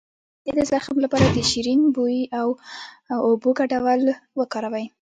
د معدې د زخم لپاره د شیرین بویې او اوبو ګډول وکاروئ